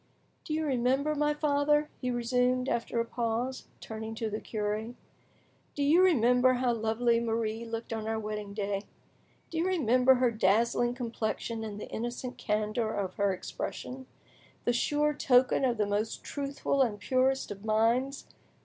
Do you remember, my father," he resumed, after a pause, turning to the cure, "do you remember how lovely Marie looked on our wedding day? Do you remember her dazzling complexion and the innocent candour of her expression?—the sure token of the most truthful and purest of minds!